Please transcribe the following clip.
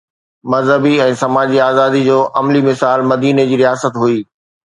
مذهبي ۽ سماجي آزادي جو عملي مثال مديني جي رياست هئي